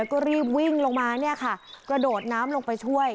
เราก็รีบวิ่งลงมากระโดดน้ำลงไปช่วย